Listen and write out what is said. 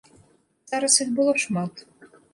Зараз іх было шмат.